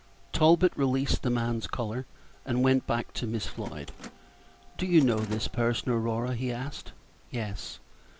Talbot released the man's collar, and went back to Miss Floyd. "Do you know this person, Aurora?" he asked. "Yes."